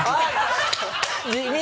地味！